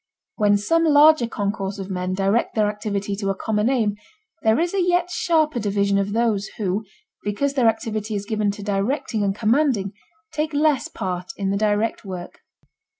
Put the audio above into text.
When some larger concourse of men direct their activity to a common aim there is a yet sharper division of those who, because their activity is given to directing and commanding, take less part in the direct work.